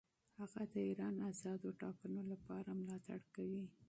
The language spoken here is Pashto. هغه د ایران آزادو ټاکنو لپاره ملاتړ کوي.